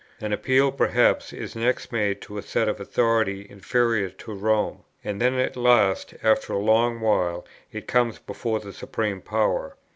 An appeal perhaps is next made to a seat of authority inferior to Rome; and then at last after a long while it comes before the supreme power.